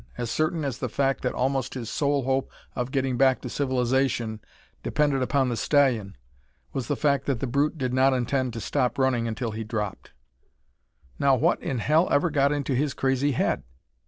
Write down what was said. As certain as the fact that almost his sole hope of getting back to civilization depended upon the stallion, was the fact that the brute did not intend to stop running until he dropped. "Now what in the hell ever got into his crazy head?"